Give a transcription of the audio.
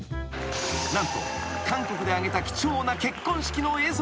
［何と韓国で挙げた貴重な結婚式の映像が］